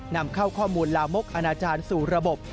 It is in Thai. นำเข้าข้อมูลลามกอนาจารย์สู่ระบบ